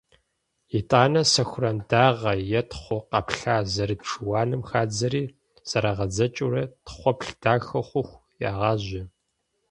ИтӀанэ сэхуран дагъэ е тхъу къэплъа зэрыт шыуаным хадзэри, зэрагъэдзэкӀыурэ тхъуэплъ дахэ хъуху, ягъажьэ.